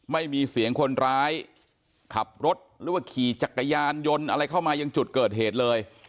ไม่มีเสียงคนร้ายขับรถหรือว่าขี่จักรยานยนต์อะไรเข้ามายังจุดเกิดเหตุเลย